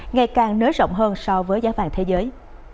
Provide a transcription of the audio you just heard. ngày càng nới rộng hơn so với giá vàng thế giới